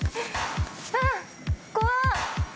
ああ怖っ！